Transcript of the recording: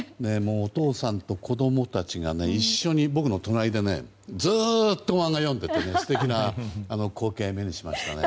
お父さんと子供たちが一緒に僕の隣でずっと、漫画読んでいて素敵な光景を目にしましたね。